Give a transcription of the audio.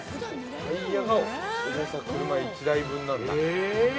◆タイヤが、重さ車１台分なんだ。